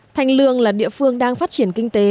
thanh lương là địa phương đang phát triển kinh tế